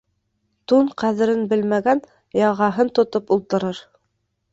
Тун ҡәҙерен белмәгән яғаһын тотоп ултырыр.